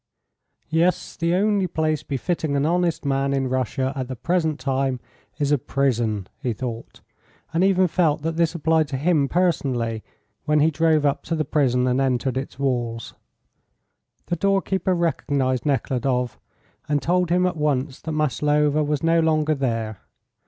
"Yes, the only place befitting an honest man in Russia at the present time is a prison," he thought, and even felt that this applied to him personally, when he drove up to the prison and entered its walls. The doorkeeper recognised Nekhludoff, and told him at once that Maslova was no longer there.